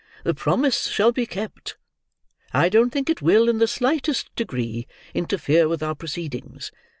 "The promise shall be kept. I don't think it will, in the slightest degree, interfere with our proceedings.